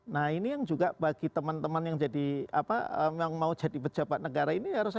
nah ini yang juga bagi teman teman yang mau jadi pejabat negara ini